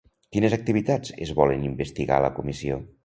Quines activitats es volen investigar a la comissió?